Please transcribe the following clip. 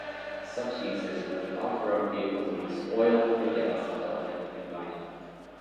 Such uses include off-road vehicle use, oil and gas development, and mining.